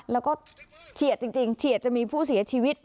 แล้วก็เฉียดจริงเฉียดจะมีผู้เสียชีวิต